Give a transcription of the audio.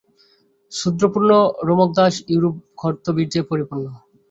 শূদ্রপূর্ণ রোমকদাস ইউরোপ ক্ষত্রবীর্যে পরিপূর্ণ।